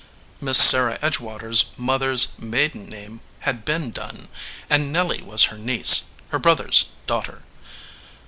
Miss Sarah Edgewater s moth er s maiden name had been Dunn, and Nelly was her niece, her brother s daughter.